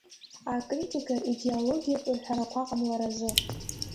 Акритика идиалогиатә рхәарақәа ҟамларазы.